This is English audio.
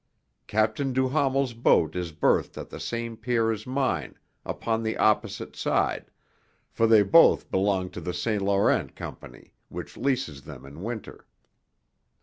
Captain Duhamel's boat is berthed at the same pier as mine upon the opposite side, for they both belong to the Saint Laurent Company, which leases them in winter.